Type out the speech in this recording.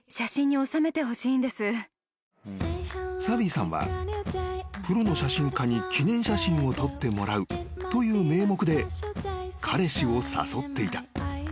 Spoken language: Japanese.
［サヴィさんはプロの写真家に記念写真を撮ってもらうという名目で彼氏を誘っていた］